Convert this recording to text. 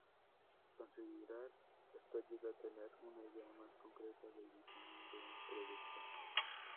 Considerar esto ayuda a tener una idea más concreta del diseño de un producto.